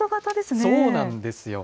そうなんですよ。